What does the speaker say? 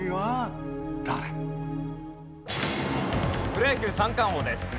プロ野球三冠王です。